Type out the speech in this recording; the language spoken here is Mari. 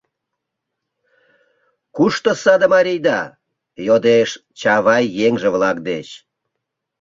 — Кушто саде марийда? — йодеш Чавай еҥже-влак деч.